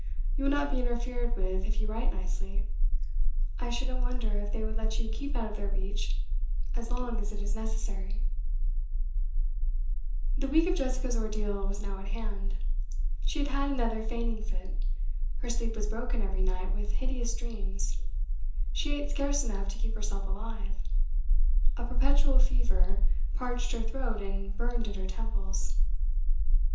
You will not be interfered with if you write nicely. I shouldn't wonder if they would let you keep out of their reach as long as it is necessary.' The week of Jessica's ordeal was now at hand. She had had another fainting fit; her sleep was broken every night with hideous dreams; she ate scarce enough to keep herself alive; a perpetual fever parched her throat and burned at her temples.